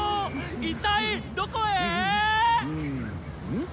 一体どこへー⁉ん？